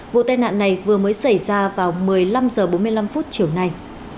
vụ tai nạn này vừa mới xảy ra vào một mươi năm h bốn mươi năm chiều nay